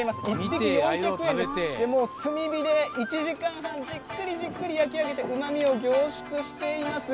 １匹４００円で炭火で１時間半、じっくり焼き上げてうまみを凝縮しています。